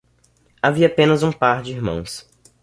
Havia apenas um par de irmãos.